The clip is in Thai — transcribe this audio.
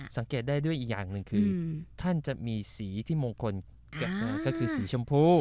สังเกตได้ด้วยอีกอย่างหนึ่งคือท่านจะมีสีที่มงคลก็คือสีชมพู